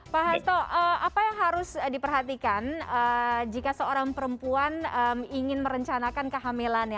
pak hasto apa yang harus diperhatikan jika seorang perempuan ingin merencanakan kehamilannya